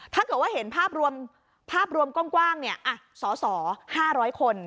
ถ้าเกิดว่าเห็นภาพรวมกว้างสส๕๐๐คน